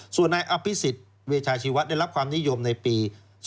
ส่วนนายอภิษฎเวชาชีวะได้รับความนิยมในปี๒๕๖